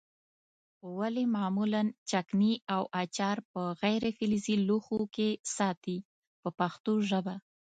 ولې معمولا چکني او اچار په غیر فلزي لوښو کې ساتي په پښتو ژبه.